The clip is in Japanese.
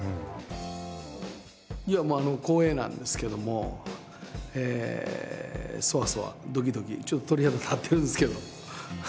いやまあ光栄なんですけどもそわそわドキドキちょっと鳥肌立ってるんですけど。